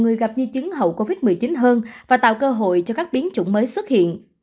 người gặp di chứng hậu covid một mươi chín hơn và tạo cơ hội cho các biến chủng mới xuất hiện